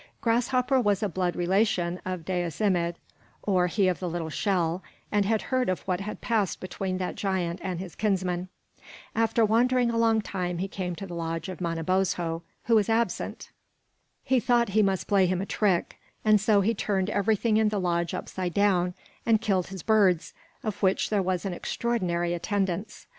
Grasshopper was a blood relation of Dais Imid, or He of the Little Shell, and had heard of what had passed between that giant and his kinsman. After wandering a long time he came to the lodge of Manabozho, who was absent. He thought he must play him a trick; and so he turned everything in the lodge upside down and killed his birds, of which there was an extraordinary attendance.